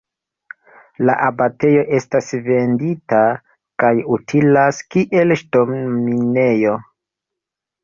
La abatejo estas vendita kaj utilas kiel ŝtonminejo.